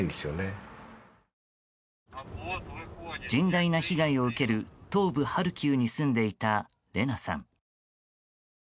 甚大な被害を受ける東部ハルキウに住んでいたレナさん。